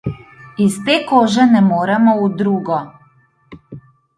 Iz te kože ne moremo v drugo.